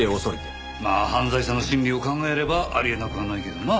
まあ犯罪者の心理を考えればあり得なくはないけどな。